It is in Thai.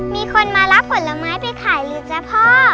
มีคนมารับผลไม้ไปขายหรือจ๊ะพ่อ